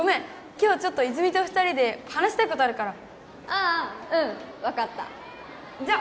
今日ちょっと泉と２人で話したいことあるからああうん分かったじゃっ！